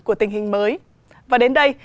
của tình hình mới và đến đây